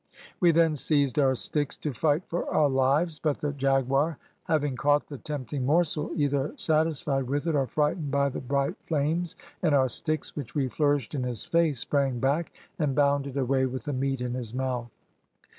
"We then seized our sticks to fight for our lives; but the jaguar having caught the tempting morsel, either satisfied with it, or frightened by the bright flames and our sticks, which we flourished in his face, sprang back and bounded away with the meat in his mouth.